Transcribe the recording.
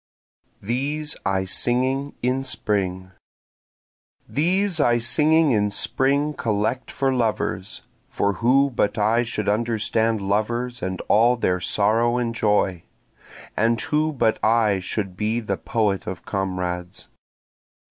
These I Singing in Spring These I singing in spring collect for lovers, (For who but I should understand lovers and all their sorrow and joy? And who but I should be the poet of comrades?)